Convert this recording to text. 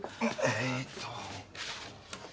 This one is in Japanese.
えっと。